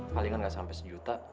palingan gak sampe sejuta